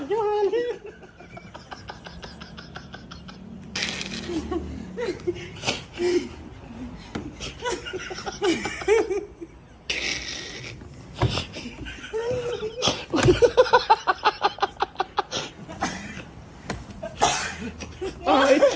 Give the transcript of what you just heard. ถ่ายแม่มือ